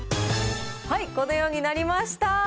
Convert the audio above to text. このようになりました。